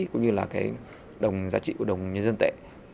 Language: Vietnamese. cũng như là giá trị của đồng nhân dân tệ